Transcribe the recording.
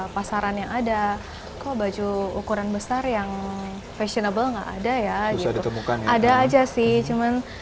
pasaran yang ada kok baju ukuran besar yang fashionable nggak ada ya gitu ada aja sih cuman